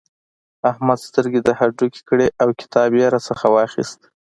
احمد سترګې د هډوکې کړې او کتاب يې راڅخه واخيست.